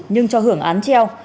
nhưng cho hưởng án treo